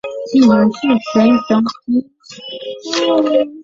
早期只有利用伺服端来改变游戏内容或环境的伺服端模组。